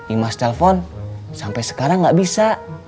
imas telpon sampai sekarang nggak bisa